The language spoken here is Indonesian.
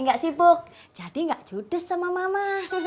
enggak sibuk jadi enggak judes sama mama